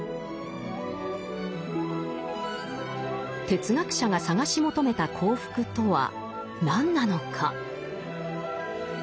哲学者が探し求めた幸福とは何なのか。